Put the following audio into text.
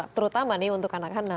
terutama nih untuk anak anak